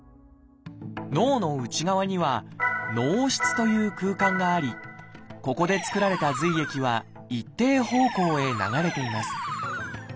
脳の内側には「脳室」という空間がありここでつくられた髄液は一定方向へ流れています